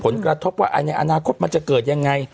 ผลกระทบว่าในอนาคตมันจะเกิดยังไง